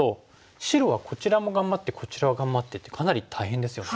白はこちらも頑張ってこちらを頑張ってってかなり大変ですよね。